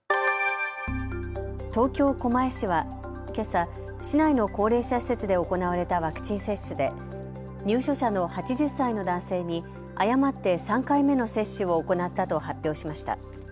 東京狛江市はけさ市内の高齢者施設で行われたワクチン接種で入所者の８０歳の男性に誤って３回目の接種を行ったと発表しました。